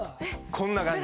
こんな感じで。